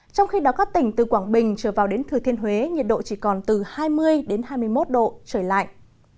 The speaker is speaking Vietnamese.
trong khi đó các tỉnh từ quảng bình trở vào đến thừa thiên huế nhiệt độ chỉ còn từ hai mươi hai mươi một độ trời lạnh